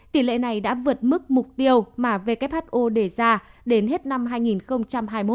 tỷ lệ này đã vượt mức mục tiêu mà who đề ra đến hết năm hai nghìn hai mươi một